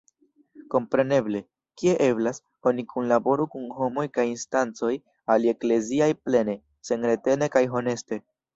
Kompreneble, kie eblas, oni kunlaboru kun homoj kaj instancoj aliekleziaj plene, senretene kaj honeste.